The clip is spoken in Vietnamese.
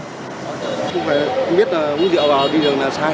chúng phải biết là muốn dựa vào đi đường là sai